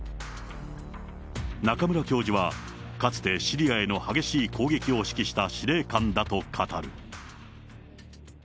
中村教授はかつてシリアへの激しい攻撃を指揮した司令官だと語る。